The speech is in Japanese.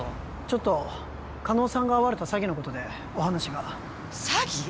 ちょっと叶さんが遭われた詐欺のことでお話が詐欺！？